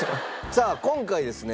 さあ今回ですね